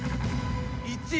１位。